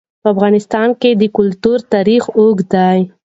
په افغانستان کې د کلتور تاریخ اوږد دی.